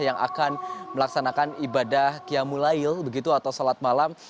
yang akan melaksanakan ibadah qiyamulail begitu atau sholat malam